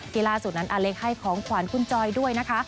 ล่าสุดนั้นอาเล็กให้ของขวัญคุณจอยด้วยนะคะ